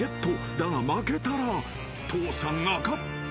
［だが負けたら父さん赤っ恥］